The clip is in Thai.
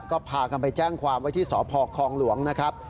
ก็พากันไปแจ้งความไว้ที่สพคลองหลวงนะครับ